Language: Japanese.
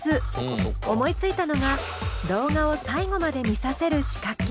思いついたのが動画を最後まで見させる仕掛け。